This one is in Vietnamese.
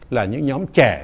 là những nhóm trẻ